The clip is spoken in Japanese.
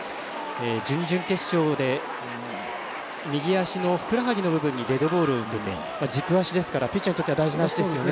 準々決勝で右足のふくらはぎの部分にデッドボールを受けて軸足ですからピッチャーにとっては大事な足ですよね。